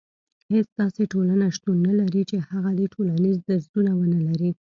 هيڅ داسي ټولنه شتون نه لري چي هغه دي ټولنيز درځونه ونلري